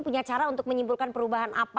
punya cara untuk menyimpulkan perubahan apa